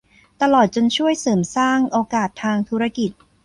ตลอดจนช่วยเสริมสร้างโอกาสทางธุรกิจ